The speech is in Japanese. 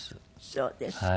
そうですか。